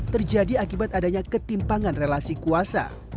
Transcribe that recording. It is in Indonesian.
terjadi akibat adanya ketimpangan relasi kuasa